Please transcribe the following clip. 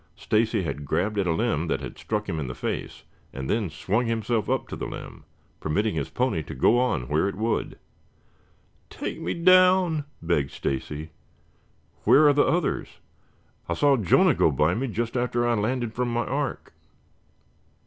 Stacy had grabbed at a limb that had struck him in the face, and then swung himself up to the limb, permitting his pony to go on where it would. "Take me down," begged Stacy. "Where are the others?" "I saw Jonah go by me just after I landed from my ark."